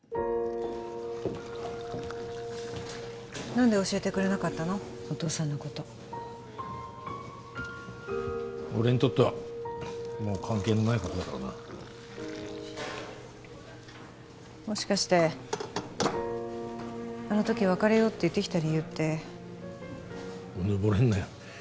何で教えてくれなかったのお父さんのこと俺にとってはもう関係のないことだからなもしかしてあの時別れようって言ってきた理由ってうぬぼれんなよ